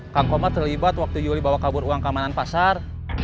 kang komar terlibat waktu juli bawa kabur uang keamanan pasar